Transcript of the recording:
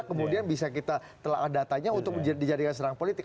kemudian bisa kita telah datanya untuk dijadikan serang politik